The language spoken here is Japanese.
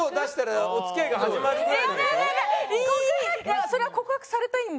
いやそれは告白されたいんで。